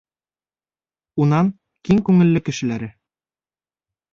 Унан киң күңелле кешеләре!